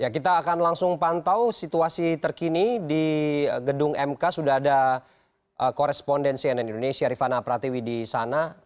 kita akan langsung pantau situasi terkini di gedung mk sudah ada korespondensi nn indonesia rifana pratiwi di sana